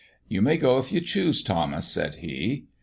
"You may go if you choose, Thomas," said he.